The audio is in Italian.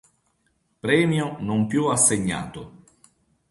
Premio non più assegnato.